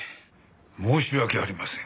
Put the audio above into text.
申し訳ありません。